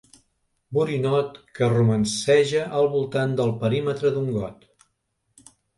Borinot que romanceja al voltant del perímetre d'un got.